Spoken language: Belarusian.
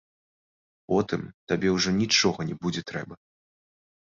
Потым табе ўжо нічога не будзе трэба.